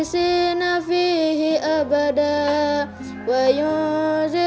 jangan sampai dia men hawa ini